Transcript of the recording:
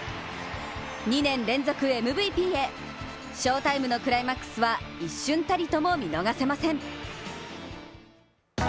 ２年連続ＭＶＰへ、翔タイムのクライマックスは一瞬たりとも見逃せません。